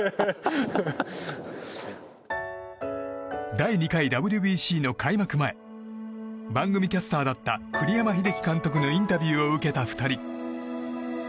第２回ＷＢＣの開幕前番組キャスターだった栗山英樹監督のインタビューを受けた２人。